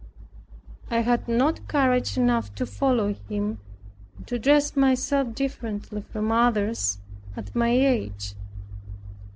I had not courage enough to follow Him, and to dress myself differently from others, at my age.